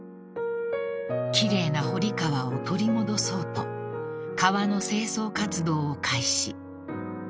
［奇麗な堀川を取り戻そうと川の清掃活動を開始］